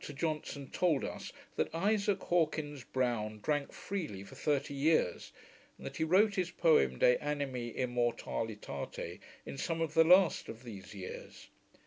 ] After supper, Dr Johnson told us, that Isaac Hawkins Browne drank freely for thirty years, and that he wrote his poem, De Animi Immortalitate, in some of the last of these years.